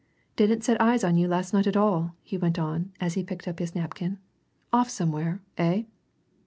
"Didn't set eyes on you last night at all," he went on, as he picked up his napkin. "Off somewhere, eh?"